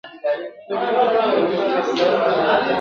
چي نړیږي که له سره آبادیږي !.